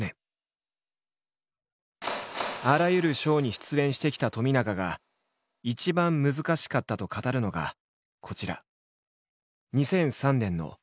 あらゆるショーに出演してきた冨永が一番難しかったと語るのがこちら。